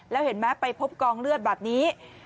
แล้วเห็นไหมไปพบกองเลือดแบบนี้